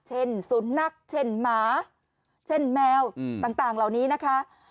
สุนัขเช่นหมาเช่นแมวต่างเหล่านี้นะคะ